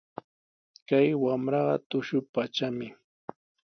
Kay wamraqa tushupatrami.